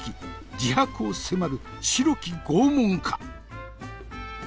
自白を迫る白き拷問か？